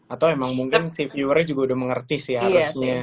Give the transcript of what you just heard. atau emang mungkin si viewernya juga udah mengerti sih harusnya